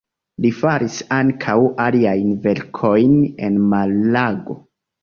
Li faris ankaŭ aliajn verkojn en Malago.